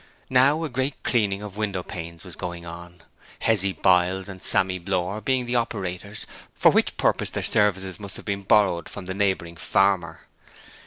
Now a great cleaning of window panes was going on, Hezzy Biles and Sammy Blore being the operators, for which purpose their services must have been borrowed from the neighbouring farmer.